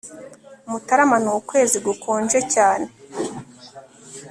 Mutarama ni ukwezi gukonje cyane